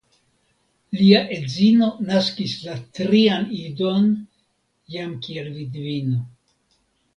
Lia edzino naskis la trian idon jam kiel vidvino.